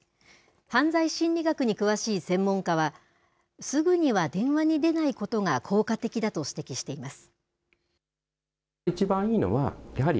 犯罪心理学に詳しい専門家はすぐには電話に出ないことが効果的だと指摘しています。